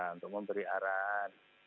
untuk memberi arahan